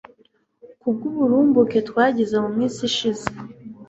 k'ubw'uburumbuke twagize mu minsi ishize